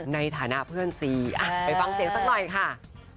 ในฐานะเพื่อนซีไปฟังเสียงสักหน่อยค่ะ